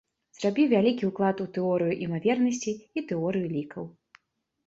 Зрабіў вялікі ўклад у тэорыю імавернасцей і тэорыю лікаў.